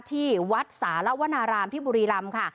ที่วัดสารวนารามที่บุรีรำค่ะ